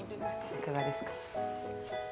いかがですか。